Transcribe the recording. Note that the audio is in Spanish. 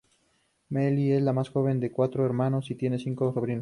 Meryl es la más joven de cuatro hermanos y tiene cinco sobrinos.